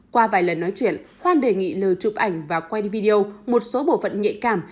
qua vài lần nói chuyện hoan đề nghị lừa chụp ảnh và quay video một số bộ phận nhạy cảm